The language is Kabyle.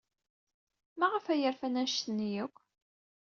Maɣef ay rfan anect-nni akk?